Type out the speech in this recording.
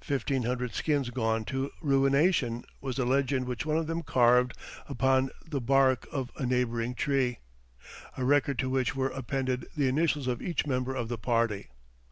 "Fifteen hundred skins gone to ruination!" was the legend which one of them carved upon the bark of a neighboring tree, a record to which were appended the initials of each member of the party.